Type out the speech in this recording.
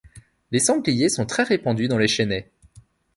Les sangliers sont très répandus dans les chênaies.